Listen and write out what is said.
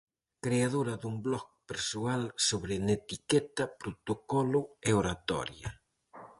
Creadora dun blog persoal sobre netiqueta, protocolo e oratoria.